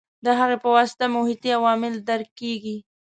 د هغې په واسطه محیطي عوامل درک کېږي.